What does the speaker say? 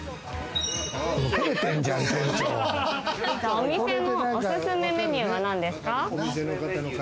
お店のおすすめメニューは何ですか？